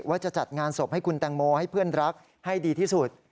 ว่าจะจัดงานศพให้คุณแตงโมให้เพื่อนรักให้ดีที่สุด